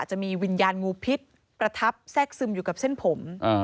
จะมีวิญญาณงูพิษประทับแทรกซึมอยู่กับเส้นผม